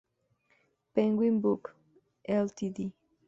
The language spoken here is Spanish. Penguin Books Ltd.